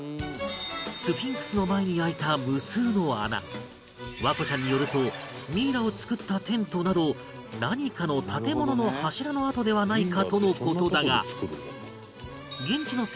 スフィンクスの前に開いた無数の穴環子ちゃんによるとミイラを作ったテントなど何かの建物の柱の跡ではないかとの事だが